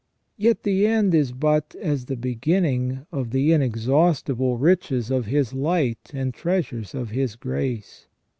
Yet the end is but as the beginning of the inexhaustible riches of His light and treasures of His grace.